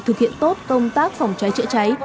thực hiện tốt công tác phòng cháy chữa cháy